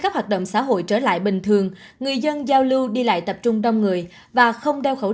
phòng xã hội trở lại bình thường người dân giao lưu đi lại tập trung đông người và không đeo khẩu